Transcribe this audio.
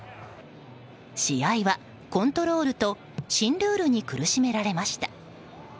試合はコントロールと新ルールに苦しめられました。